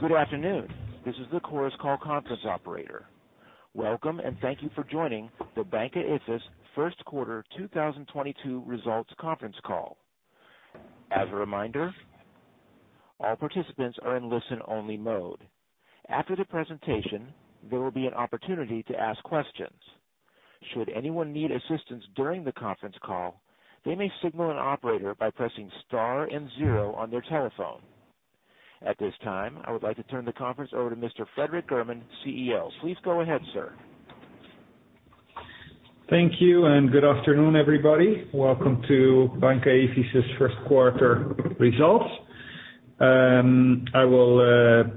Good afternoon. This is the Chorus Call conference operator. Welcome, and thank you for joining the Banca Ifis first quarter 2022 results conference call. As a reminder, all participants are in listen-only mode. After the presentation, there will be an opportunity to ask questions. Should anyone need assistance during the conference call, they may signal an operator by pressing star and zero on their telephone. At this time, I would like to turn the conference over to Mr. Frederik Geertman, CEO. Please go ahead, sir. Thank you and good afternoon, everybody. Welcome to Banca Ifis' first quarter results. I will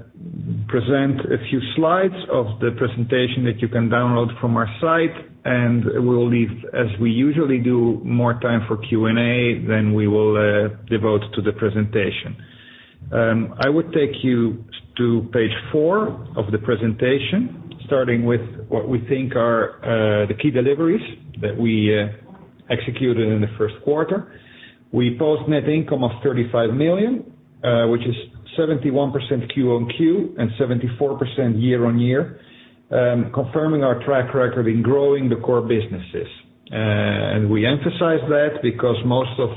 present a few slides of the presentation that you can download from our site, and we'll leave, as we usually do, more time for Q&A than we will devote to the presentation. I would take you to page four of the presentation, starting with what we think are the key deliveries that we executed in the first quarter. We post net income of 35 million, which is 71% QoQ and 74% year-on-year, confirming our track record in growing the core businesses. We emphasize that because most of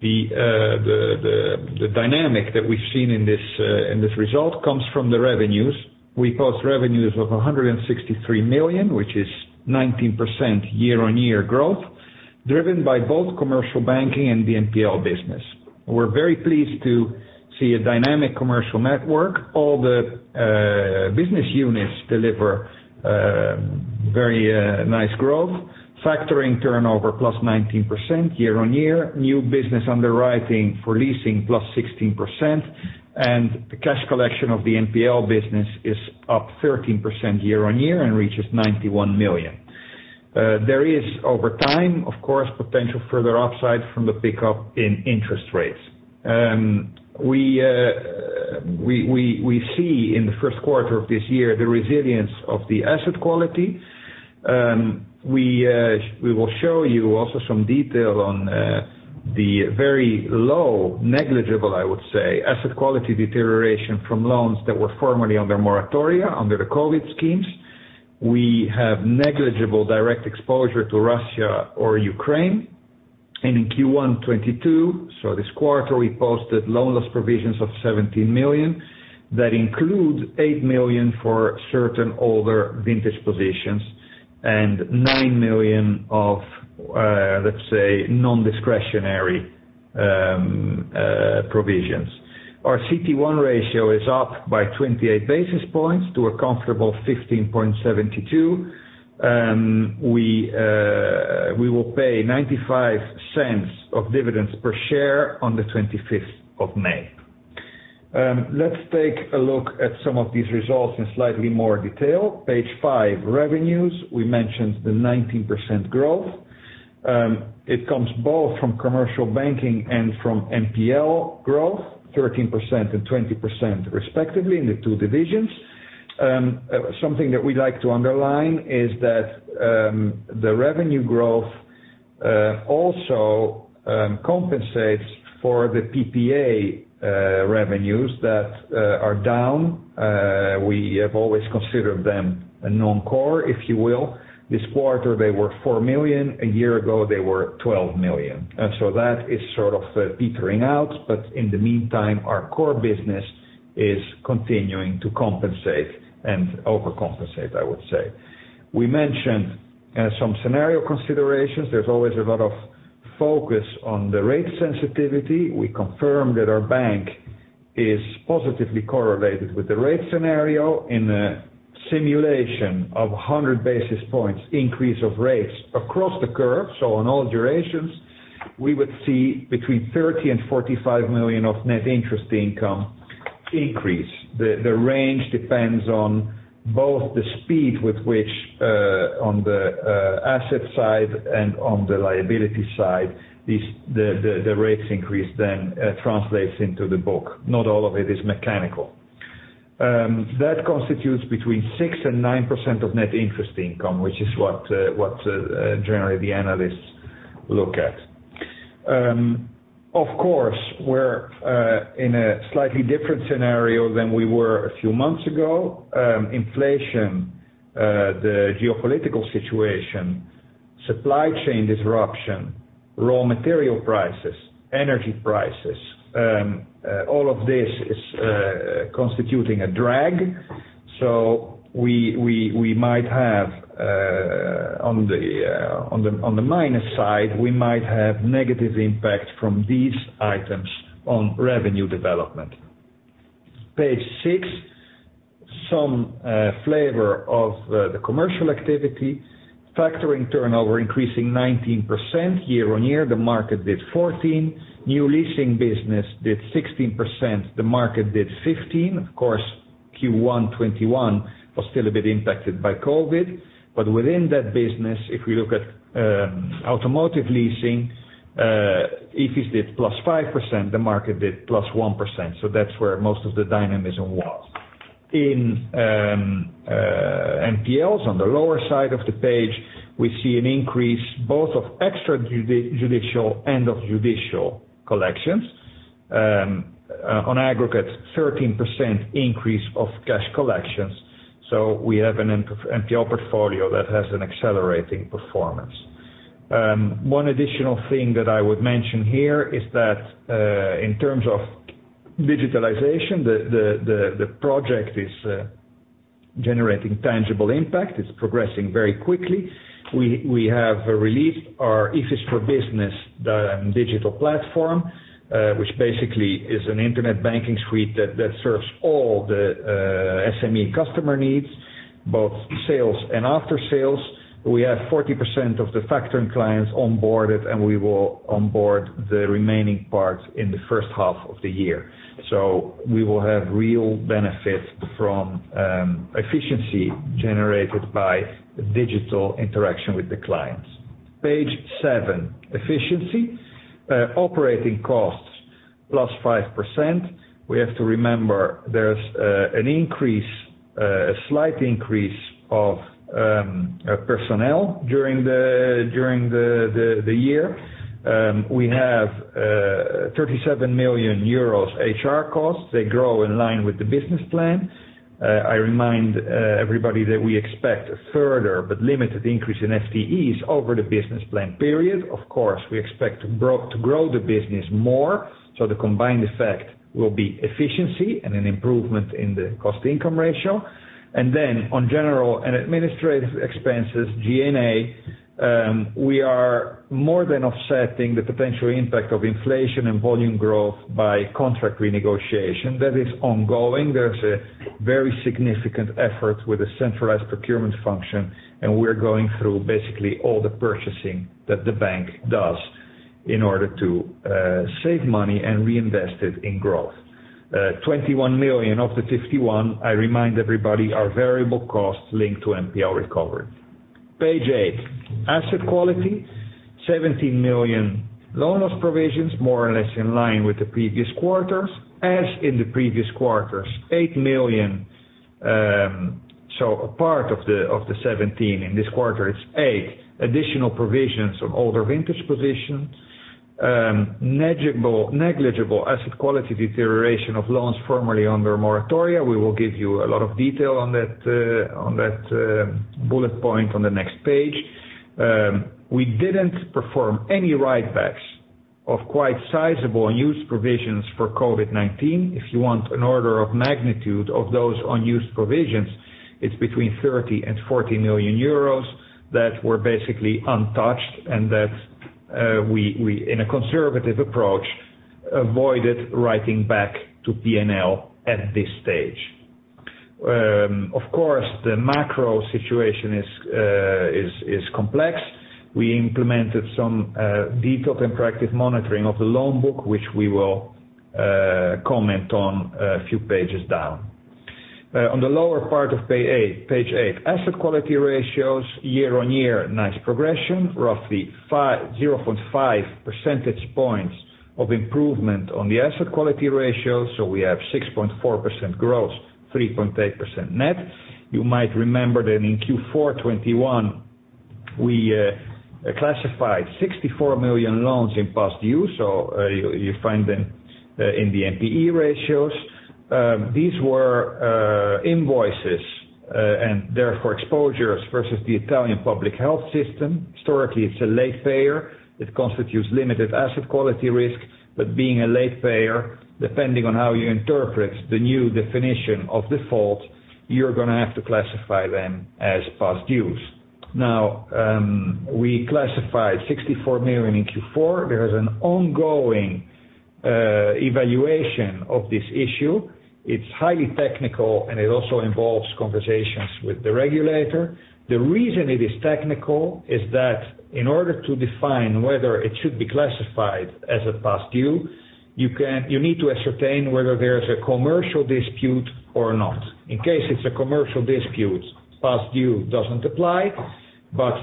the dynamic that we've seen in this result comes from the revenues. We post revenues of 163 million, which is 19% year-on-year growth, driven by both commercial banking and the NPL business. We're very pleased to see a dynamic commercial network. All the business units deliver very nice growth. Factoring turnover +19% year-on-year. New business underwriting for leasing +16%. The cash collection of the NPL business is up 13% year-on-year and reaches 91 million. There is over time, of course, potential further upside from the pickup in interest rates. We see in the first quarter of this year the resilience of the asset quality. We will show you also some detail on the very low, negligible, I would say, asset quality deterioration from loans that were formerly under moratoria, under the COVID schemes. We have negligible direct exposure to Russia or Ukraine. In Q1 2022, so this quarter, we posted loan loss provisions of 17 million. That includes 8 million for certain older vintage positions and 9 million of, let's say, non-discretionary provisions. Our CT1 ratio is up by 28 basis points to a comfortable 15.72%. We will pay 0.95 of dividends per share on the twenty-fifth of May. Let's take a look at some of these results in slightly more detail. Page five, revenues. We mentioned the 19% growth. It comes both from commercial banking and from NPL growth, 13% and 20% respectively in the two divisions. Something that we'd like to underline is that, the revenue growth also compensates for the PPA revenues that are down. We have always considered them a non-core, if you will. This quarter, they were 4 million. A year ago, they were 12 million. That is sort of petering out. In the meantime, our core business is continuing to compensate and overcompensate, I would say. We mentioned some scenario considerations. There's always a lot of focus on the rate sensitivity. We confirm that our bank is positively correlated with the rate scenario in a simulation of 100 basis points increase of rates across the curve, so on all durations, we would see between 30 million and 45 million of net interest income increase. The range depends on both the speed with which, on the asset side and on the liability side, these rates increase then translates into the book. Not all of it is mechanical. That constitutes between 6%-9% of net interest income, which is what generally the analysts look at. Of course, we're in a slightly different scenario than we were a few months ago. Inflation, the geopolitical situation, supply chain disruption, raw material prices, energy prices, all of this is constituting a drag. We might have, on the minus side, negative impact from these items on revenue development. Page six, some flavor of the commercial activity. Factoring turnover increasing 19% year-on-year. The market did 14%. New leasing business did 16%. The market did 15%. Of course, Q1 2021 was still a bit impacted by COVID. Within that business, if we look at automotive leasing, Ifis did +5%, the market did +1%. That's where most of the dynamism was. In NPLs on the lower side of the page, we see an increase both of extrajudicial and of judicial collections. On aggregate, 13% increase of cash collections. We have an improving NPL portfolio that has an accelerating performance. One additional thing that I would mention here is that in terms of digitalization, the project is generating tangible impact. It's progressing very quickly. We have released our Ifis for Business, the digital platform, which basically is an internet banking suite that serves all the SME customer needs, both sales and after sales. We have 40% of the factoring clients onboarded, and we will onboard the remaining parts in the first half of the year. We will have real benefit from efficiency generated by digital interaction with the clients. Page seven, efficiency. Operating costs +5%. We have to remember there's an increase, a slight increase of personnel during the year. We have 37 million euros HR costs. They grow in line with the business plan. I remind everybody that we expect a further but limited increase in FTEs over the business plan period. Of course, we expect to grow the business more, so the combined effect will be efficiency and an improvement in the cost-income ratio. On general and administrative expenses, G&A, we are more than offsetting the potential impact of inflation and volume growth by contract renegotiation. That is ongoing. There's a very significant effort with a centralized procurement function, and we're going through basically all the purchasing that the bank does in order to save money and reinvest it in growth. 21 million of the 51 million, I remind everybody, are variable costs linked to NPL recovery. Page eight, asset quality. 17 million loan loss provisions, more or less in line with the previous quarters. As in the previous quarters, 8 million, so a part of the 17 million in this quarter is additional provisions of older vintage positions. Negligible asset quality deterioration of loans formerly under moratoria. We will give you a lot of detail on that, bullet point on the next page. We didn't perform any write backs of quite sizable unused provisions for COVID-19. If you want an order of magnitude of those unused provisions, it's between 30 million and 40 million euros that were basically untouched and that, we in a conservative approach, avoided writing back to P&L at this stage. Of course, the macro situation is complex. We implemented some detailed and proactive monitoring of the loan book, which we will comment on a few pages down. On the lower part of page eight, asset quality ratios year-on-year, nice progression. Roughly 0.5 percentage points of improvement on the asset quality ratio. We have 6.4% gross, 3.8% net. You might remember that in Q4 2021, we classified 64 million loans in past due, so you find them in the NPE ratios. These were invoices and therefore exposures versus the Italian public health system. Historically, it's a late payer. It constitutes limited asset quality risk, but being a late payer, depending on how you interpret the new definition of default, you're gonna have to classify them as past due. Now, we classified 64 million in Q4. There is an ongoing evaluation of this issue. It's highly technical, and it also involves conversations with the regulator. The reason it is technical is that in order to define whether it should be classified as a past due, you need to ascertain whether there's a commercial dispute or not. In case it's a commercial dispute, past due doesn't apply.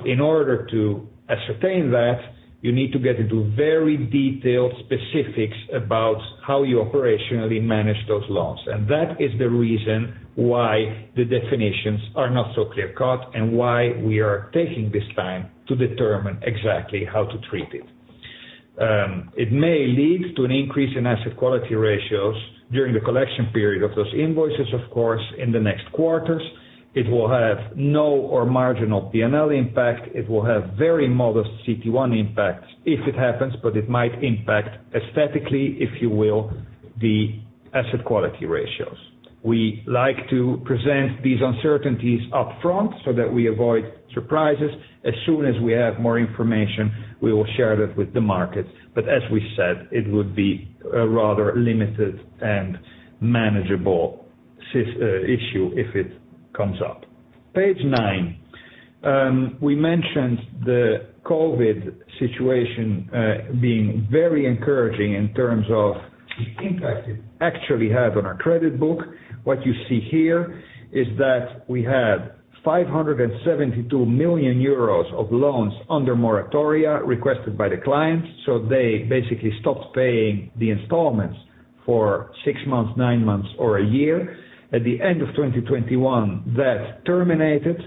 In order to ascertain that, you need to get into very detailed specifics about how you operationally manage those loans. That is the reason why the definitions are not so clear cut and why we are taking this time to determine exactly how to treat it. It may lead to an increase in asset quality ratios during the collection period of those invoices, of course, in the next quarters. It will have no or marginal P&L impact. It will have very modest CT1 impact if it happens, but it might impact aesthetically, if you will, the asset quality ratios. We like to present these uncertainties up front so that we avoid surprises. As soon as we have more information, we will share that with the market. As we said, it would be a rather limited and manageable issue if it comes up. Page nine, we mentioned the COVID situation being very encouraging in terms of the impact it actually had on our credit book. What you see here is that we had 572 million euros of loans under moratoria requested by the clients. They basically stopped paying the installments for six months, nine months or a year. At the end of 2021, that terminated,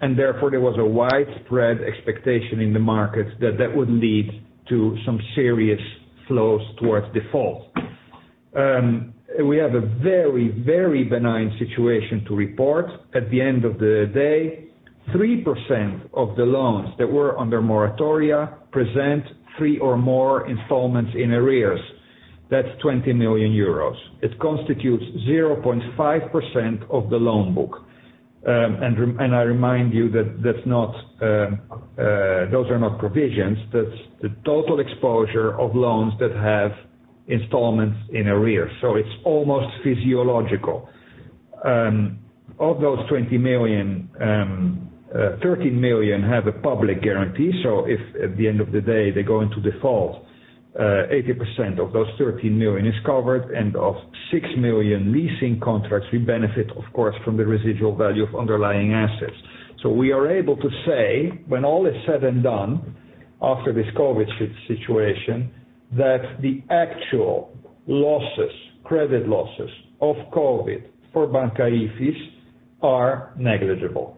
and therefore there was a widespread expectation in the market that that would lead to some serious flows towards default. We have a very, very benign situation to report. At the end of the day, 3% of the loans that were under moratoria present three or more installments in arrears. That's 20 million euros. It constitutes 0.5% of the loan book. And I remind you that that's not, those are not provisions. That's the total exposure of loans that have installments in arrears. It's almost physiological. Of those 20 million, 13 million have a public guarantee. If at the end of the day they go into default, 80% of those 13 million is covered, and of 6 million leasing contracts, we benefit of course from the residual value of underlying assets. We are able to say, when all is said and done after this COVID situation, that the actual losses, credit losses of COVID for Banca Ifis are negligible.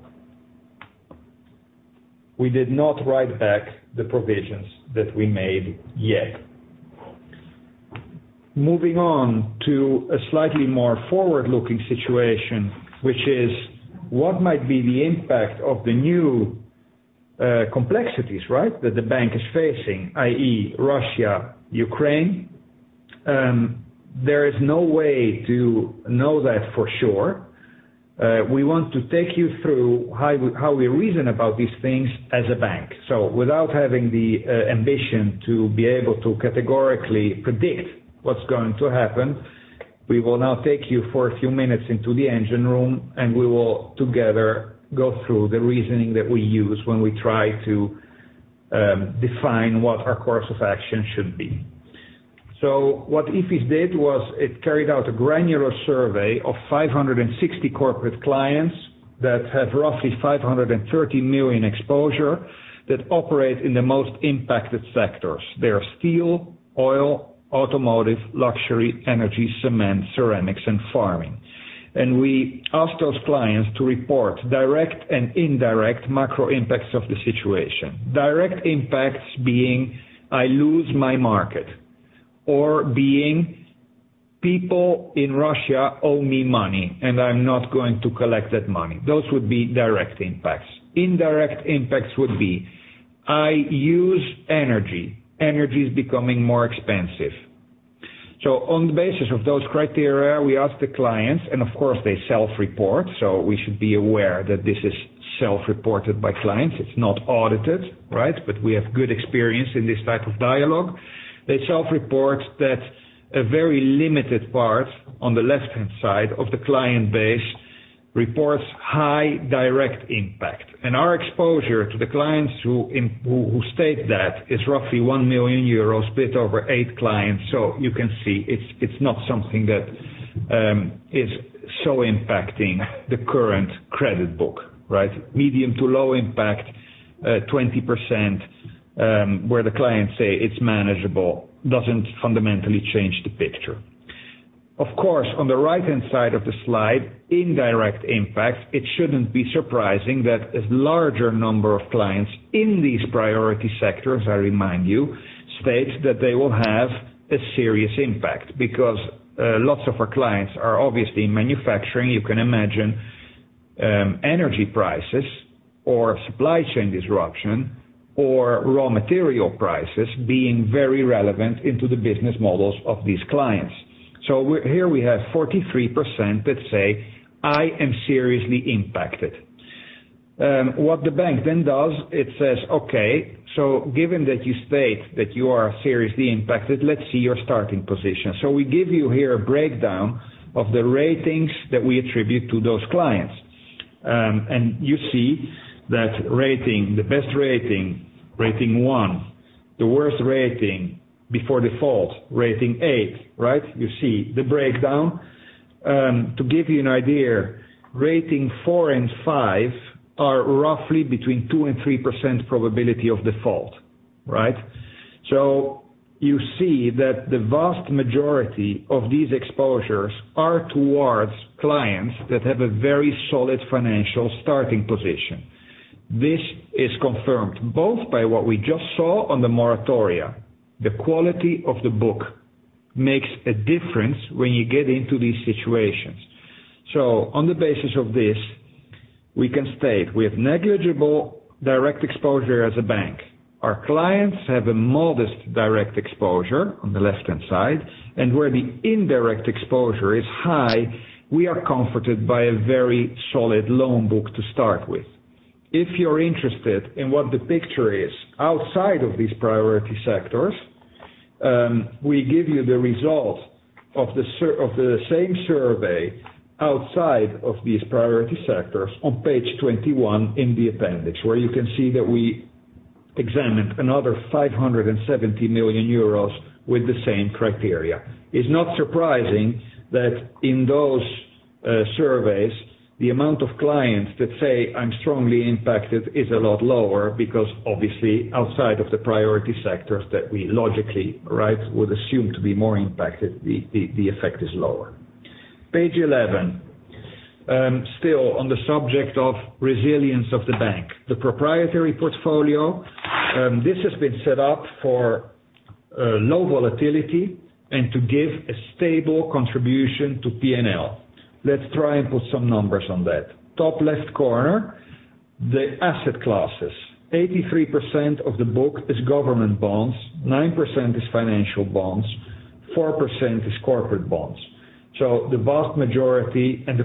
We did not write back the provisions that we made yet. Moving on to a slightly more forward-looking situation, which is what might be the impact of the new complexities, right? That the bank is facing, i.e., Russia, Ukraine. There is no way to know that for sure. We want to take you through how we reason about these things as a bank. Without having the ambition to be able to categorically predict what's going to happen, we will now take you for a few minutes into the engine room, and we will together go through the reasoning that we use when we try to define what our course of action should be. What Ifis did was it carried out a granular survey of 560 corporate clients that have roughly 530 million exposure that operate in the most impacted sectors. They are steel, oil, automotive, luxury, energy, cement, ceramics and farming. We asked those clients to report direct and indirect macro impacts of the situation. Direct impacts being, I lose my market or being people in Russia owe me money and I'm not going to collect that money. Those would be direct impacts. Indirect impacts would be, I use energy. Energy is becoming more expensive. On the basis of those criteria, we ask the clients and of course they self-report. We should be aware that this is self-reported by clients. It's not audited, right. But we have good experience in this type of dialogue. They self-report that a very limited part on the left-hand side of the client base reports high direct impact. Our exposure to the clients who state that is roughly 1 million euros split over eight clients. You can see it's not something that is so impacting the current credit book, right? Medium to low impact, 20%, where the clients say it's manageable, doesn't fundamentally change the picture. Of course, on the right-hand side of the slide, indirect impact, it shouldn't be surprising that a larger number of clients in these priority sectors, I remind you, state that they will have a serious impact because lots of our clients are obviously in manufacturing. You can imagine, energy prices or supply chain disruption or raw material prices being very relevant to the business models of these clients. Here we have 43% that say, "I am seriously impacted." What the bank then does, it says, "Okay, so given that you state that you are seriously impacted, let's see your starting position." We give you here a breakdown of the ratings that we attribute to those clients. You see that rating, the best rating one, the worst rating before default, rating eight, right? You see the breakdown. To give you an idea, rating four and five are roughly between 2% and 3% probability of default, right? You see that the vast majority of these exposures are towards clients that have a very solid financial starting position. This is confirmed both by what we just saw on the moratoria. The quality of the book makes a difference when you get into these situations. On the basis of this, we can state we have negligible direct exposure as a bank. Our clients have a modest direct exposure on the left-hand side, and where the indirect exposure is high, we are comforted by a very solid loan book to start with. If you're interested in what the picture is outside of these priority sectors, we give you the result of the same survey outside of these priority sectors on page 21 in the appendix, where you can see that we examined another 570 million euros with the same criteria. It's not surprising that in those surveys, the amount of clients that say, "I'm strongly impacted," is a lot lower because obviously outside of the priority sectors that we logically, right, would assume to be more impacted, the effect is lower. Page 11. Still on the subject of resilience of the bank. The proprietary portfolio, this has been set up for low volatility and to give a stable contribution to P&L. Let's try and put some numbers on that. Top left corner, the asset classes. 83% of the book is government bonds, 9% is financial bonds, 4% is corporate bonds. The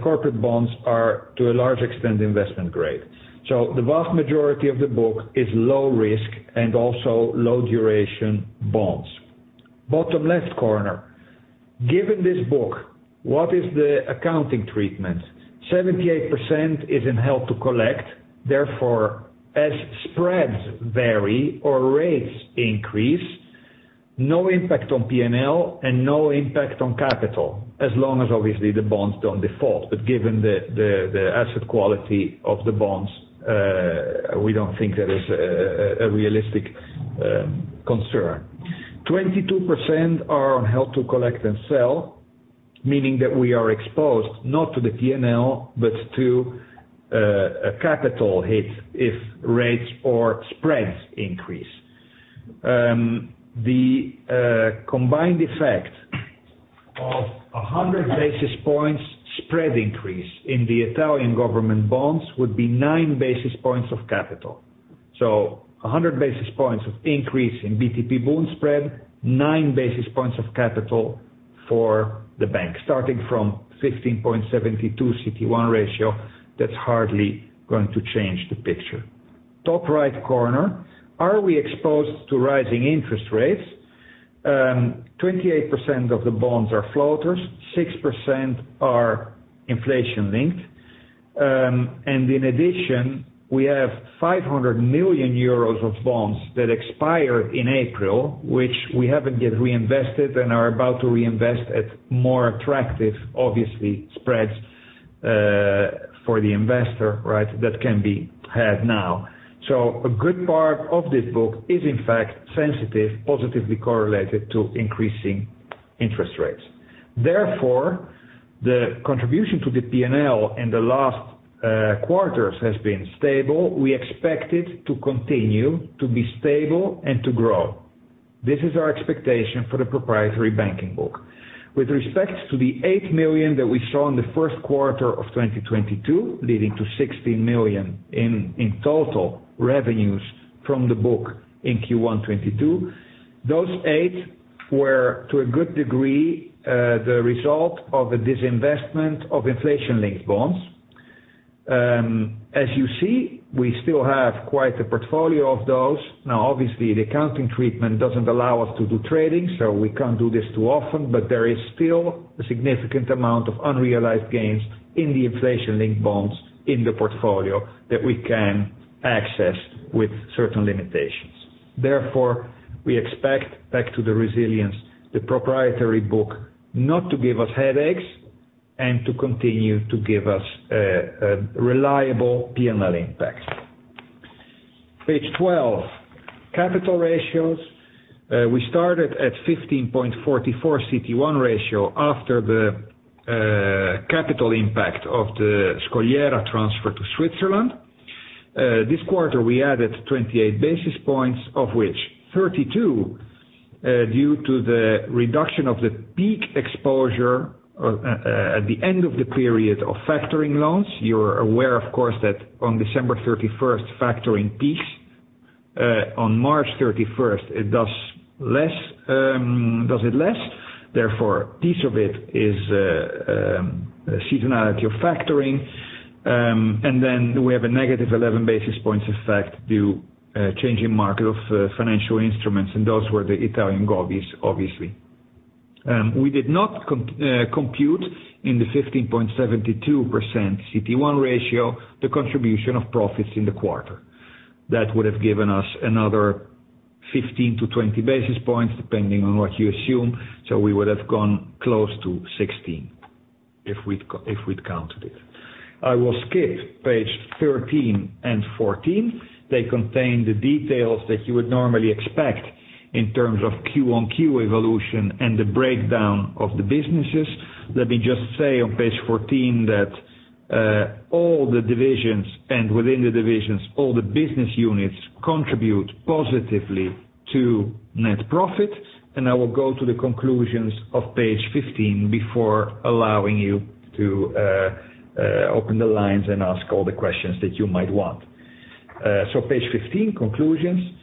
corporate bonds are, to a large extent, investment grade. The vast majority of the book is low risk and also low duration bonds. Bottom left corner. Given this book, what is the accounting treatment? 78% is in held to collect. Therefore, as spreads vary or rates increase, no impact on P&L and no impact on capital, as long as obviously the bonds don't default. Given the asset quality of the bonds, we don't think that is a realistic concern. 22% are on held to collect and sell, meaning that we are exposed not to the P&L, but to a capital hit if rates or spreads increase. The combined effect of 100 basis points spread increase in the Italian government bonds would be 9 basis points of capital. 100 basis points of increase in BTP-Bund spread, 9 basis points of capital for the bank, starting from 15.72% CT1 ratio. That's hardly going to change the picture. Top right corner. Are we exposed to rising interest rates? 28% of the bonds are floaters, 6% are inflation-linked. In addition, we have 500 million euros of bonds that expire in April, which we haven't yet reinvested and are about to reinvest at more attractive, obviously, spreads for the investor, right, that can be had now. A good part of this book is in fact sensitive, positively correlated to increasing interest rates. Therefore, the contribution to the P&L in the last quarters has been stable. We expect it to continue to be stable and to grow. This is our expectation for the proprietary banking book. With respect to the 8 million that we saw in the first quarter of 2022, leading to 16 million in total revenues from the book in Q1 2022, those 8 million were, to a good degree, the result of the disinvestment of inflation-linked bonds. As you see, we still have quite a portfolio of those. Now, obviously, the accounting treatment doesn't allow us to do trading, so we can't do this too often, but there is still a significant amount of unrealized gains in the inflation-linked bonds in the portfolio that we can access with certain limitations. Therefore, we expect, back to the resilience, the proprietary book not to give us headaches and to continue to give us a reliable P&L impact. Page 12, capital ratios. We started at 15.44 CT1 ratio after the capital impact of the La Scogliera transfer to Switzerland. This quarter, we added 28 basis points, of which 32 basis points due to the reduction of the peak exposure at the end of the period of factoring loans. You're aware, of course, that on December 31st, factoring peaks. On March 31st, it does less. Therefore, a piece of it is seasonality of factoring. And then we have a -11 basis points effect due to changing market of financial instruments, and those were the Italian govies, obviously. We did not compute in the 15.72% CT1 ratio the contribution of profits in the quarter. That would have given us another 15-20 basis points, depending on what you assume, so we would have gone close to 16 basis points if we'd counted it. I will skip page 13 and 14. They contain the details that you would normally expect in terms of quarter-over-quarter evolution and the breakdown of the businesses. Let me just say on page 14 that all the divisions and within the divisions, all the business units contribute positively to net profit. I will go to the conclusions of page 15 before allowing you to open the lines and ask all the questions that you might want. Page 15, conclusions.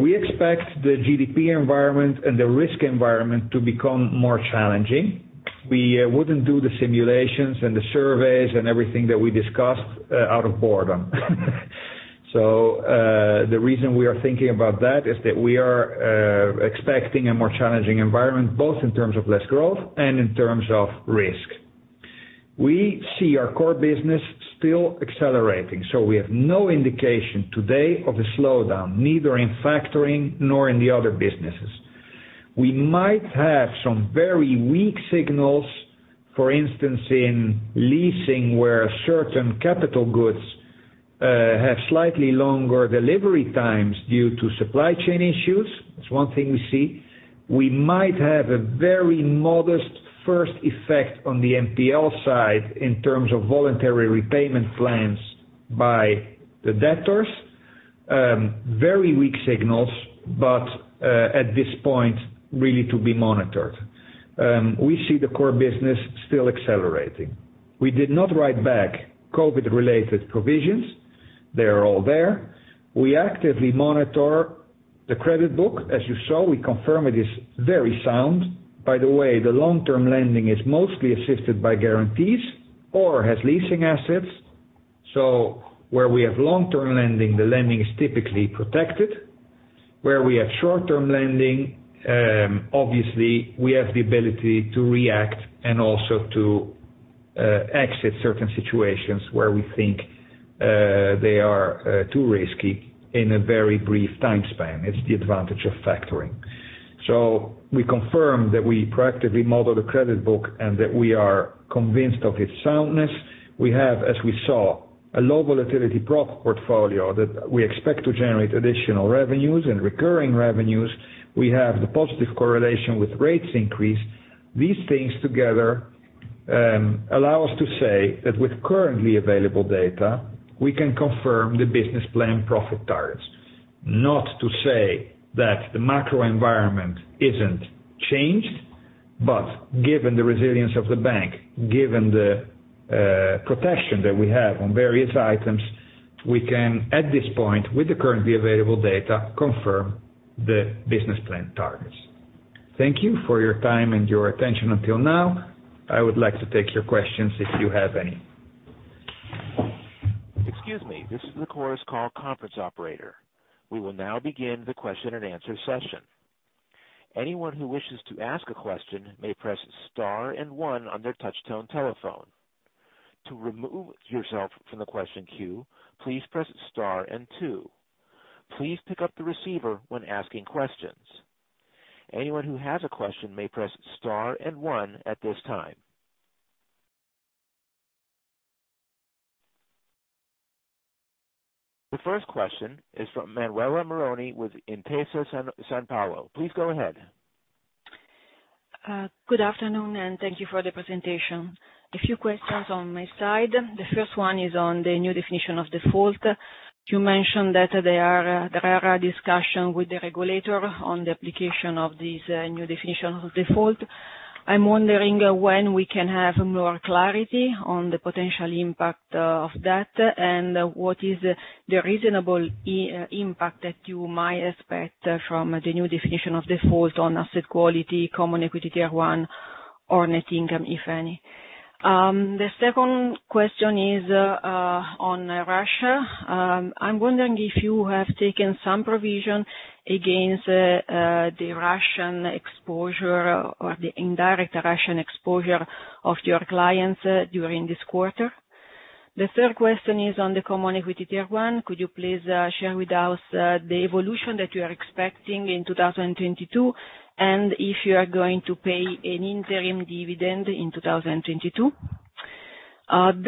We expect the GDP environment and the risk environment to become more challenging. We wouldn't do the simulations and the surveys and everything that we discussed out of boredom. The reason we are thinking about that is that we are expecting a more challenging environment, both in terms of less growth and in terms of risk. We see our core business still accelerating, so we have no indication today of a slowdown, neither in factoring nor in the other businesses. We might have some very weak signals, for instance, in leasing, where certain capital goods have slightly longer delivery times due to supply chain issues. That's one thing we see. We might have a very modest first effect on the NPL side in terms of voluntary repayment plans by the debtors. Very weak signals, but at this point, really to be monitored. We see the core business still accelerating. We did not write back COVID-related provisions. They are all there. We actively monitor the credit book. As you saw, we confirm it is very sound. By the way, the long-term lending is mostly assisted by guarantees or has leasing assets. Where we have long-term lending, the lending is typically protected. Where we have short-term lending, obviously we have the ability to react and also to exit certain situations where we think they are too risky in a very brief time span. It's the advantage of factoring. We confirm that we proactively model the credit book and that we are convinced of its soundness. We have, as we saw, a low volatility prop portfolio that we expect to generate additional revenues and recurring revenues. We have the positive correlation with rates increase. These things together allow us to say that with currently available data, we can confirm the business plan profit targets. Not to say that the macro environment isn't changed, but given the resilience of the bank, given the protection that we have on various items, we can, at this point, with the currently available data, confirm the business plan targets. Thank you for your time and your attention until now. I would like to take your questions, if you have any. Excuse me. This is the Chorus Call conference operator. We will now begin the question-and-answer session. Anyone who wishes to ask a question may press star and one on their touch tone telephone. To remove yourself from the question queue, please press star and two. Please pick up the receiver when asking questions. Anyone who has a question may press star and one at this time. The first question is from Manuela Meroni with Intesa Sanpaolo. Please go ahead. Good afternoon, and thank you for the presentation. A few questions on my side. The first one is on the new definition of default. You mentioned that there is a discussion with the regulator on the application of these new definition of default. I'm wondering when we can have more clarity on the potential impact of that, and what is the reasonable impact that you might expect from the new definition of default on asset quality, common equity Tier One or net income, if any. The second question is on Russia. I'm wondering if you have taken some provision against the Russian exposure or the indirect Russian exposure of your clients during this quarter. The third question is on the common equity Tier One. Could you please share with us the evolution that you are expecting in 2022, and if you are going to pay an interim dividend in 2022? On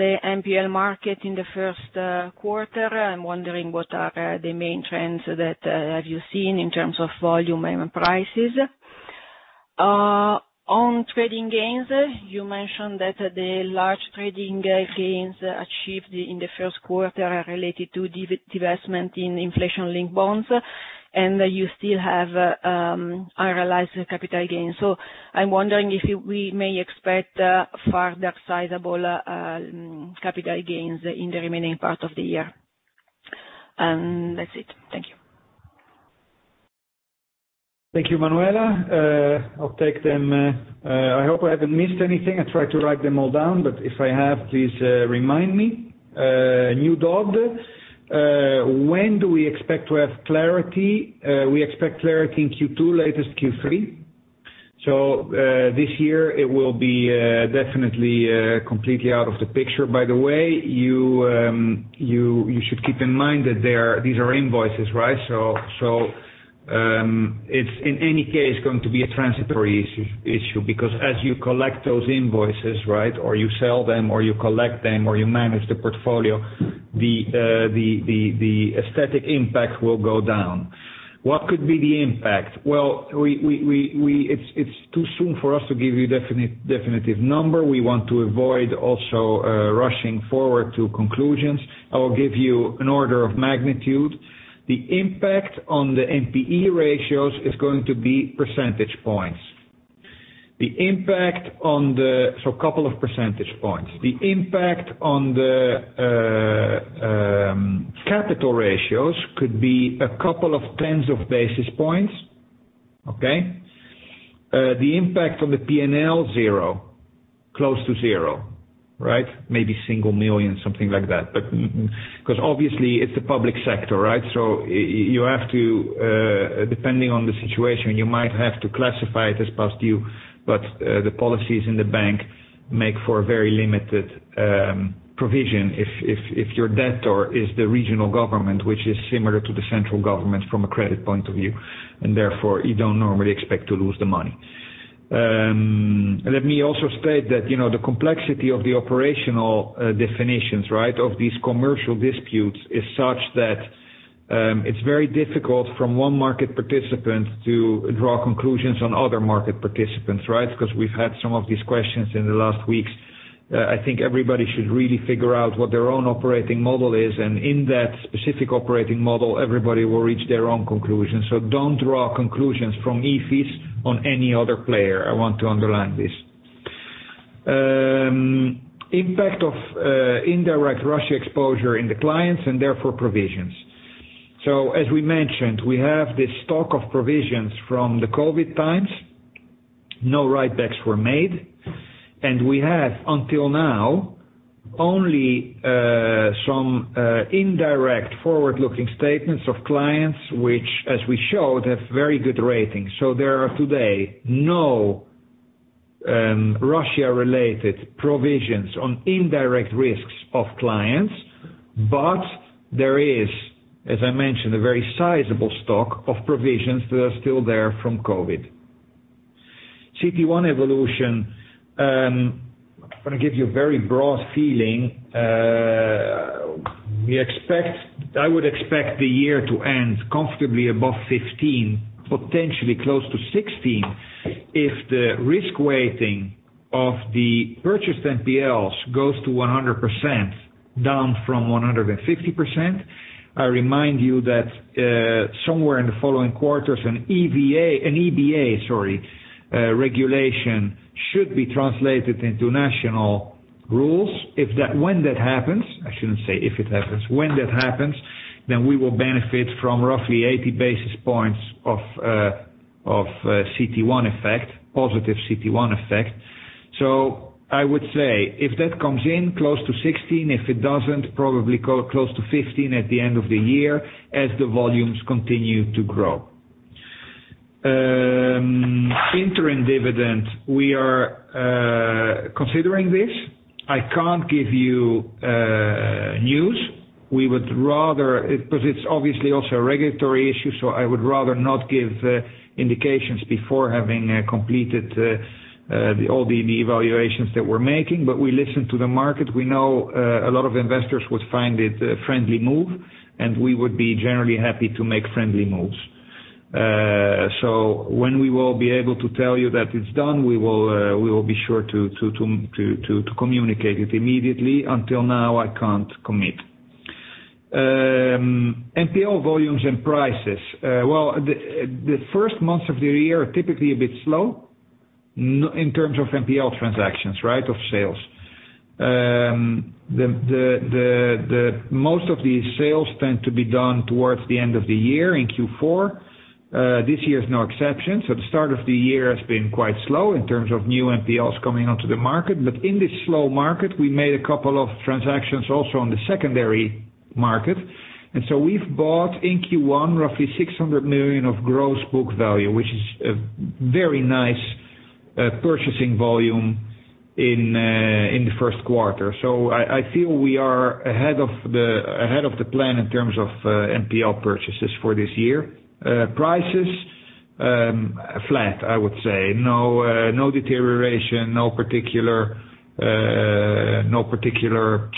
the NPL market in the first quarter, I'm wondering what are the main trends that have you seen in terms of volume and prices. On trading gains, you mentioned that the large trading gains achieved in the first quarter are related to divestment in inflation-linked bonds, and you still have unrealized capital gains. I'm wondering if we may expect further sizable capital gains in the remaining part of the year. That's it. Thank you. Thank you, Manuela. I'll take them. I hope I haven't missed anything. I tried to write them all down, but if I have, please remind me. New DoD. When do we expect to have clarity? We expect clarity in Q2, latest Q3. This year it will be definitely completely out of the picture. By the way, you should keep in mind that these are invoices, right? It's in any case going to be a transitory issue because as you collect those invoices, right, or you sell them or you collect them or you manage the portfolio, the asset impact will go down. What could be the impact? It's too soon for us to give you a definitive number. We want to avoid also rushing forward to conclusions. I will give you an order of magnitude. The impact on the NPE ratios is going to be a couple of percentage points. The impact on the capital ratios could be a couple of tens of basis points. The impact on the P&L, zero. Close to zero. Right. Maybe single million, something like that. 'Cause obviously it's a public sector, right? You have to, depending on the situation, you might have to classify it as past due, but the policies in the bank make for a very limited provision if your debtor is the regional government, which is similar to the central government from a credit point of view, and therefore you don't normally expect to lose the money. Let me also state that, you know, the complexity of the operational definitions, right, of these commercial disputes is such that, it's very difficult from one market participant to draw conclusions on other market participants, right? 'Cause we've had some of these questions in the last weeks. I think everybody should really figure out what their own operating model is, and in that specific operating model, everybody will reach their own conclusion. So don't draw conclusions from Ifis on any other player. I want to underline this. Impact of indirect Russia exposure in the clients and therefore provisions. So as we mentioned, we have this stock of provisions from the COVID times. No write backs were made. We have, until now, only some indirect forward-looking statements of clients which, as we showed, have very good ratings. There are today no Russia-related provisions on indirect risks of clients, but there is, as I mentioned, a very sizable stock of provisions that are still there from COVID. CT1 evolution. I wanna give you a very broad feeling. I would expect the year to end comfortably above 15%, potentially close to 16% if the risk weighting of the purchased NPLs goes to 100%, down from 150%. I remind you that, somewhere in the following quarters, an EBA regulation should be translated into national rules. When that happens, I shouldn't say if it happens, when that happens, then we will benefit from roughly 80 basis points of CT1 effect, positive CT1 effect. I would say if that comes in close to 16%, if it doesn't, probably go close to 15% at the end of the year as the volumes continue to grow. Interim dividend, we are considering this. I can't give you news. We would rather. It's obviously also a regulatory issue, so I would rather not give indications before having completed all the evaluations that we're making. We listen to the market. We know a lot of investors would find it a friendly move, and we would be generally happy to make friendly moves. When we will be able to tell you that it's done, we will be sure to communicate it immediately. Until now, I can't commit. NPL volumes and prices. Well, the first months of the year are typically a bit slow in terms of NPL transactions, right, of sales. Most of these sales tend to be done towards the end of the year in Q4. This year is no exception. The start of the year has been quite slow in terms of new NPLs coming onto the market. In this slow market, we made a couple of transactions also on the secondary market. We've bought in Q1 roughly 600 million of gross book value, which is a very nice purchasing volume in the first quarter. I feel we are ahead of the plan in terms of NPL purchases for this year. Prices flat, I would say. No, no deterioration, no particular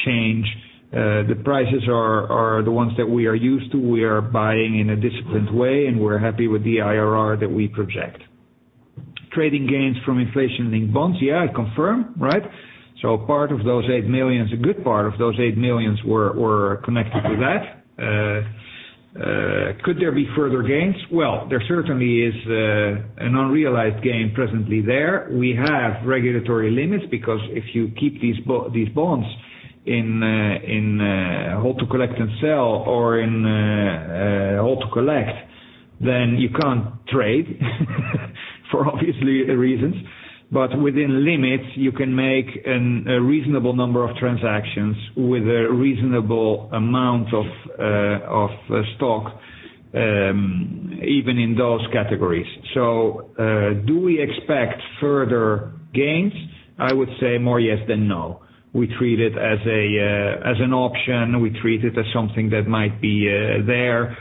change. The prices are the ones that we are used to. We are buying in a disciplined way, and we're happy with the IRR that we project. Trading gains from inflation-linked bonds. Yeah, I confirm. Right. Part of those 8 million, a good part of those 8 million were connected to that. Could there be further gains? Well, there certainly is an unrealized gain presently there. We have regulatory limits because if you keep these bonds in hold to collect and sell or in hold to collect, then you can't trade for obvious reasons. But within limits, you can make a reasonable number of transactions with a reasonable amount of stock even in those categories. Do we expect further gains? I would say more yes than no. We treat it as an option. We treat it as something that might be there.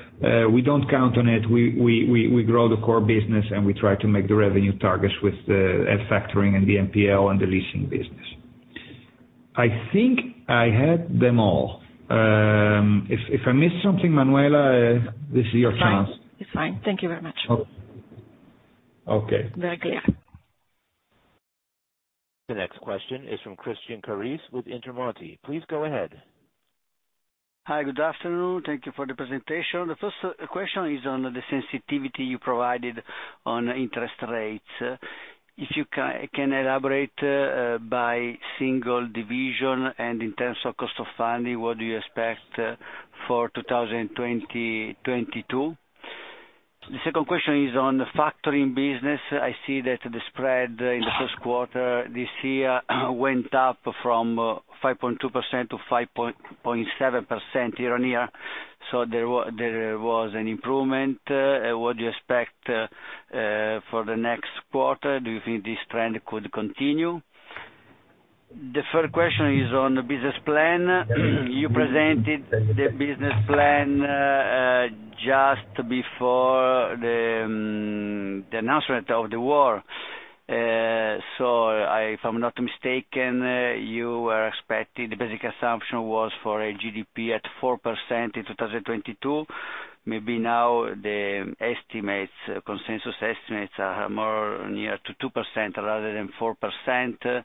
We don't count on it. We grow the core business, and we try to make the revenue targets with the factoring and the NPL and the leasing business. I think I had them all. If I missed something, Manuela, this is your chance. It's fine. Thank you very much. Okay. Very clear. The next question is from Christian Carrese with Intermonte. Please go ahead. Hi. Good afternoon. Thank you for the presentation. The first question is on the sensitivity you provided on interest rates. If you can elaborate by single division and in terms of cost of funding, what do you expect for 2022? The second question is on the factoring business. I see that the spread in the first quarter this year went up from 5.2%-5.7% year-on-year. So there was an improvement. What do you expect for the next quarter? Do you think this trend could continue? The third question is on the business plan. You presented the business plan just before the announcement of the war. So if I'm not mistaken, you were expecting, the basic assumption was for a GDP at 4% in 2022. Maybe now the estimates, consensus estimates are more near to 2% rather than 4%.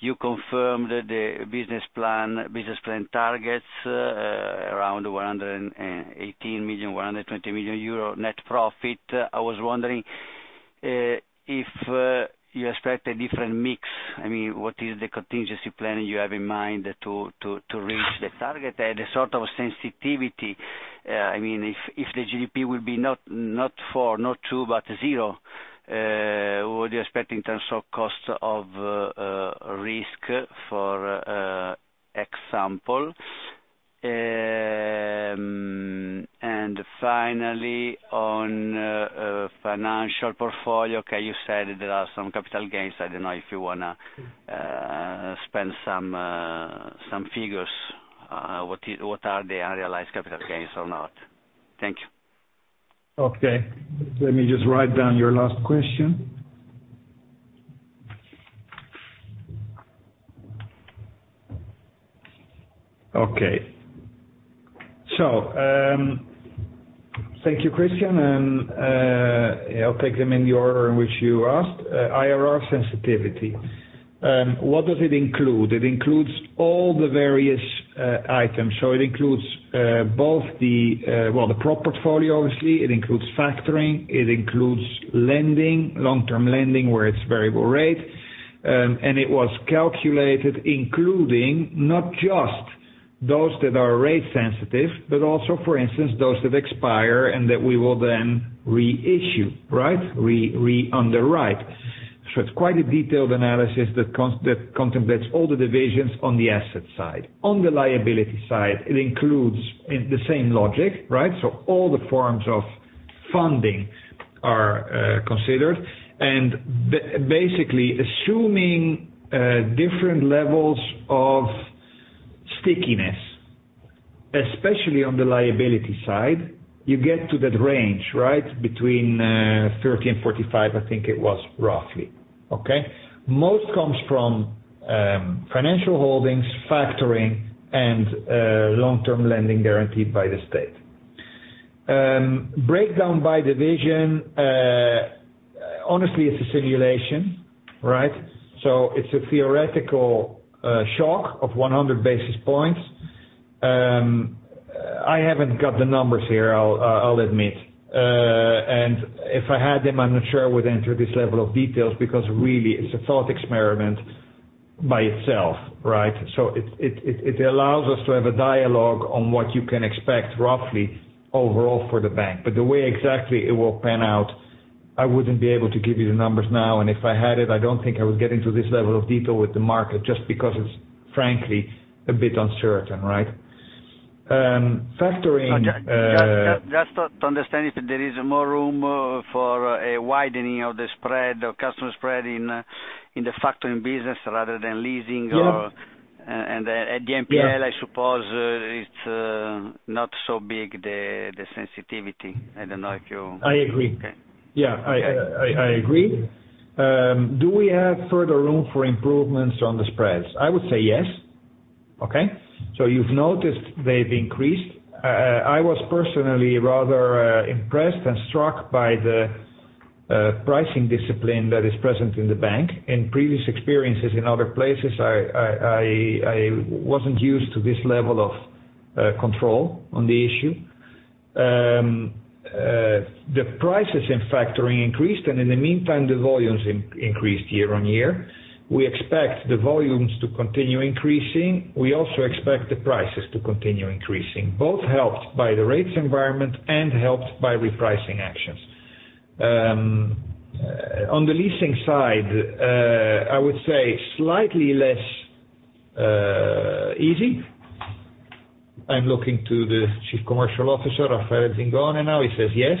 You confirmed the business plan, business plan targets, around 118 million, 120 million euro net profit. I was wondering if you expect a different mix. I mean, what is the contingency plan you have in mind to reach the target, the sort of sensitivity? I mean, if the GDP will be not 4%, not 2%, but 0%, what are you expecting in terms of cost of risk, for example? Finally on financial portfolio, okay, you said there are some capital gains. I don't know if you wanna spend some figures. What are the unrealized capital gains or not? Thank you. Okay. Let me just write down your last question. Okay. Thank you, Christian. I'll take them in the order in which you asked. IRR sensitivity, what does it include? It includes all the various items. It includes both the, well, the prop portfolio, obviously. It includes factoring. It includes lending, long-term lending, where it's variable rate. It was calculated including not just those that are rate sensitive, but also, for instance, those that expire and that we will then reissue, right? Re-underwrite. It's quite a detailed analysis that contemplates all the divisions on the asset side. On the liability side, it includes the same logic, right? All the forms of funding are considered, and basically assuming different levels of stickiness, especially on the liability side, you get to that range, right, between 30 million and 45 million, I think it was roughly. Okay. Most comes from financial holdings, factoring and long-term lending guaranteed by the state. Breakdown by division, honestly, it's a simulation, right? It's a theoretical shock of 100 basis points. I haven't got the numbers here, I'll admit. If I had them, I'm not sure I would enter this level of details because really it's a thought experiment by itself, right? It allows us to have a dialogue on what you can expect roughly overall for the bank. The way exactly it will pan out, I wouldn't be able to give you the numbers now, and if I had it, I don't think I would get into this level of detail with the market just because it's frankly a bit uncertain, right? Just to understand if there is more room for a widening of the spread or customer spread in the factoring business rather than leasing or? Yeah. The NPL, I suppose, it's not so big, the sensitivity. I don't know if you. I agree. Okay. Yeah. I agree. Do we have further room for improvements on the spreads? I would say yes. Okay. You've noticed they've increased. I was personally rather impressed and struck by the pricing discipline that is present in the bank. In previous experiences in other places, I wasn't used to this level of control on the issue. The prices in factoring increased, and in the meantime, the volumes increased year on year. We expect the volumes to continue increasing. We also expect the prices to continue increasing, both helped by the rates environment and helped by repricing actions. On the leasing side, I would say slightly less easy. I'm looking to the Chief Commercial Officer, Raffaele Zingone, now. He says, yes.